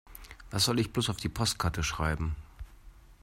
Was soll ich bloß auf die Postkarte schreiben?